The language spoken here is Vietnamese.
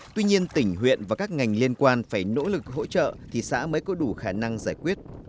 tuy nhiên tỉnh huyện và các ngành liên quan phải nỗ lực hỗ trợ thì xã mới có đủ khả năng giải quyết